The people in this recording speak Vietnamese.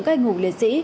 các ngủ liệt sĩ